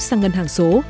sang ngân hàng số